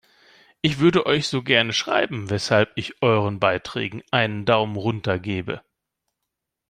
Ich würde euch so gerne schreiben, weshalb ich euren Beiträgen einen Daumen runter gebe!